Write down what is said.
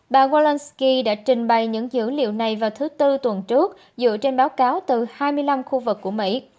bà zelensky đã trình bày những dữ liệu này vào thứ tư tuần trước dựa trên báo cáo từ hai mươi năm khu vực của mỹ